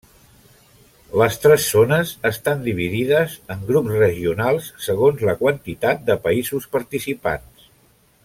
Les tres zones estan dividides en grups regionals segons la quantitat de països participants.